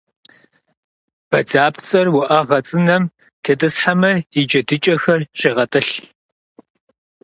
Бадзапцӏэр уӏэгъэ цӏынэм тетӏысхьэмэ, и джэдыкӏэхэр щегъэтӏылъ.